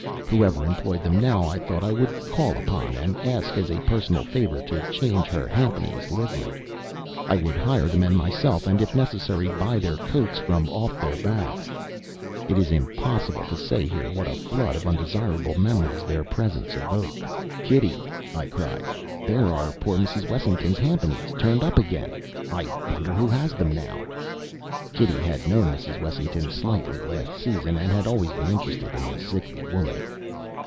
Whoever employed them now I thought I would call upon, and ask as a personal favor to change her jhampanies' livery. I would hire the men myself, and, if necessary, buy their coats from off their backs. It is impossible to say here what a flood of undesirable memories their presence evoked. "Kitty," I cried, "there are poor Mrs. Wessington's jhampanies turned up again! I wonder who has them now?" Kitty had known Mrs. Wessington slightly last season, and had always been interested in the sickly woman.